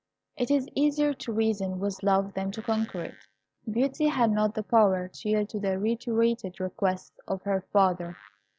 It is easier to reason with love than to conquer it. Beauty had not the power to yield to the reiterated requests of her father.